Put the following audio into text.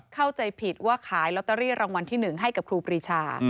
เข้าใจผิดว่าขายลอตเตอรี่รางวัลที่๑ให้กับครูปรีชา